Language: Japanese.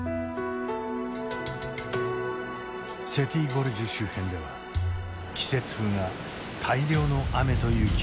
セティ・ゴルジュ周辺では季節風が大量の雨と雪をもたらす。